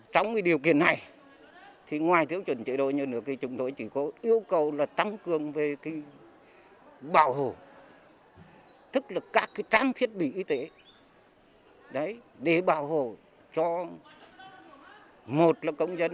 trong điều kiện này ngoài thiếu chuẩn chế đội nhân lực thì chúng tôi chỉ có yêu cầu tăng cường về bảo hộ tức là các trang thiết bị y tế để bảo hộ cho một là công dân